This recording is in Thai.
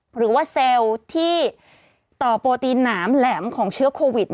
หรือว่าเซลล์ที่ต่อโปรตีนหนามแหลมของเชื้อโควิด